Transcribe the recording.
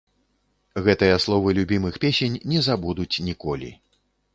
Гэтыя словы любімых песень не забудуць ніколі!